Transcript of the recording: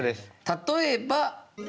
例えば。